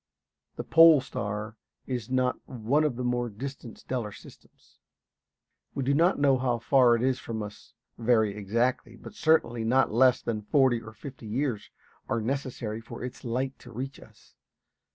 The pole star is not one of the more distant stellar systems. We do not know how far it is from us very exactly, but certainly not less than forty or fifty years are necessary for its light to reach us.